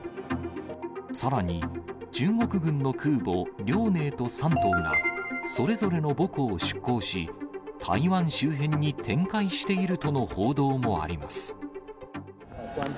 さらに、中国軍の空母、遼寧と山東が、それぞれの母港を出港し、台湾周辺に展開しているとの報道もあります。